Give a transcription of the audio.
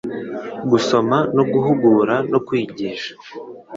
gusoma no guhugura no kwigisha